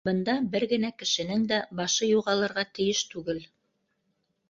Бында бер генә кешенең дә башы юғалырға тейеш түгел.